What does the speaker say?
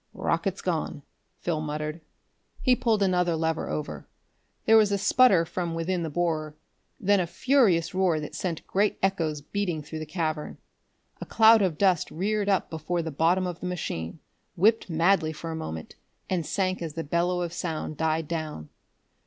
"Rockets gone," Phil muttered. He pulled another lever over. There was a sputter from within the borer, then a furious roar that sent great echoes beating through the cavern. A cloud of dust reared up before the bottom of the machine, whipped madly for a moment, and sank as the bellow of sound died down.